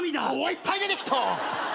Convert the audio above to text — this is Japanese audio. いっぱい出てきた！